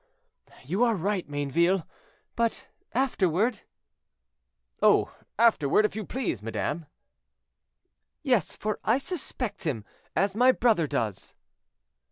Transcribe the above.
"You are right, Mayneville; but afterward—" "Oh! afterward, if you please, madame." "Yes; for I suspect him, as my brother does."